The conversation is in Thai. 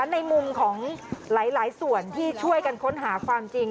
ในมุมของหลายส่วนที่ช่วยกันค้นหาความจริง